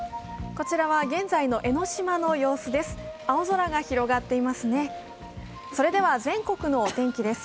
こちらは現在の江の島の様子です。